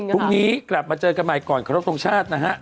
พรุ่งนี้กลับมาเจอกันใหม่ก่อนขอรบทรงชาตินะฮะ